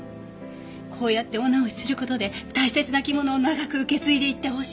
こうやってお直しする事で大切な着物を長く受け継いでいってほしい。